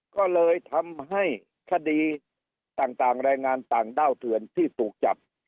ก็เลยทำให้คดีต่างแรงงานต่างด้าวเถื่อนที่ถูกจับ